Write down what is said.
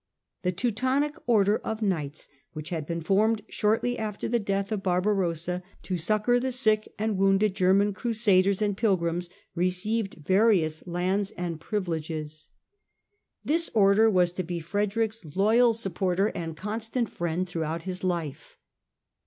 The Teutonic Order of Knights, which had been formed shortly after the death of Barba rossa to succour the sick and wounded German crusaders and pilgrims, received various lands and privileges. This 34 STUPOR MUNDI order was to be Frederick's loyal supporter and constant friend throughout his life.